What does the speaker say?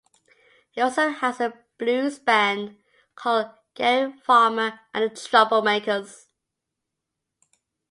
He also has a blues band called Gary Farmer and the Troublemakers.